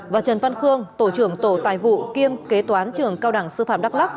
và trần văn khương tổ trưởng tổ tài vụ kiêm kế toán trường cao đẳng sư phạm đắk lắc